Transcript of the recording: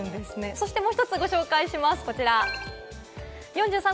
そしてもう１つ、ご紹介します。